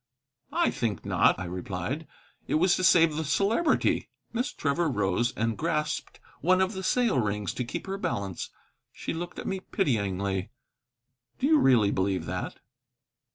"I think not," I replied; "it was to save the Celebrity." Miss Trevor rose and grasped one of the sail rings to keep her balance. She looked at me pityingly. "Do you really believe that?"